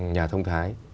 nhà thông thái